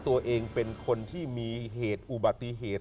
ตัวเองเป็นคนที่มีเหตุอุบัติเหตุ